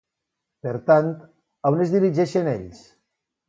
Per tant, a on es dirigeixen ells?